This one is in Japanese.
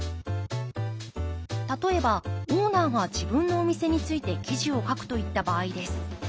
例えばオーナーが自分のお店について記事を書くといった場合です。